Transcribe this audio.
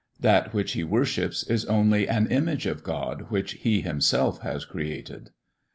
That which he worships is only an image of God which he himself has created.